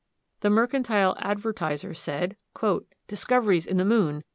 The Mercantile Advertiser said: "Discoveries in the Moon.